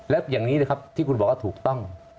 แล้วอย่างนี้นะครับที่คุณบอกว่าถูกต้อง